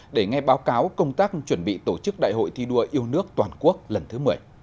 để nghe báo cáo công tác chuẩn bị tổ chức đại hội thi đua yêu nước toàn quốc lần thứ một mươi